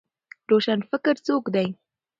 روشنفکر څوک دی؟